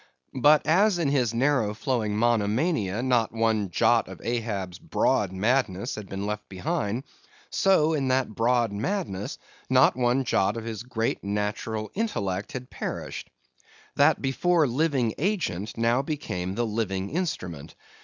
But, as in his narrow flowing monomania, not one jot of Ahab's broad madness had been left behind; so in that broad madness, not one jot of his great natural intellect had perished. That before living agent, now became the living instrument.